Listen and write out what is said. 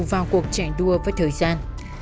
vào cuộc chạy đua với thời gian